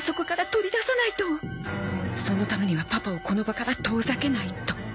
そのためにはパパをこの場から遠ざけないと